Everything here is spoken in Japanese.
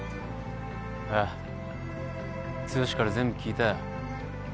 ああ剛から全部聞いたよ。